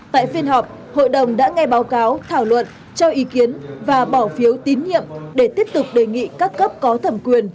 tại phiên họp hội đồng đã nghe báo cáo thảo luận cho ý kiến và bỏ phiếu tín nhiệm để tiếp tục đề nghị các cấp có thẩm quyền